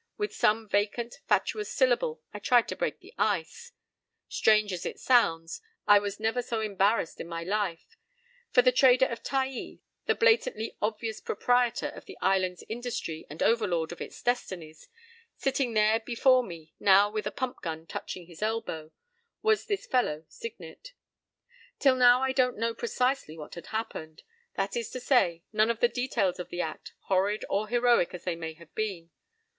With some vacant, fatuous syllable I tried to break the ice. Strange as it sounds, I was never so embarrassed in my life.—For the trader of Taai, the blatantly obvious proprietor of the island's industry and overlord of its destinies—sitting there before me now with a pump gun touching his elbow—was this fellow Signet. Till now I don't know precisely what had happened; that is to say, none of the details of the act, horrid or heroic as they may have been.